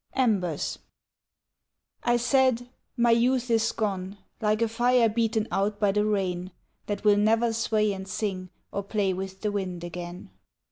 Embers I said, "My youth is gone Like a fire beaten out by the rain, That will never sway and sing Or play with the wind again."